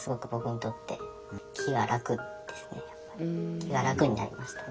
気が楽になりましたね。